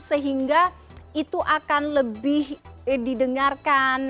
sehingga itu akan lebih didengarkan